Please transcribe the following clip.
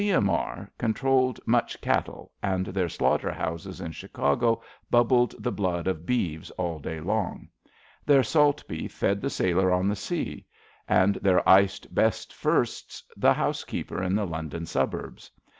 M.E. controlled much cattle, and their slaughter houses in Chicago bubbled the blood of beeves all day long. Their salt beef fed the sailor on the sea, and their iced, best firsts, the house keeper in the London suburbs.